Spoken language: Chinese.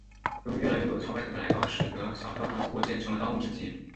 由于越来越多的朝拜者的到来使的小教堂的扩建成了当务之急。